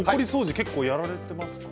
結構やられてますか。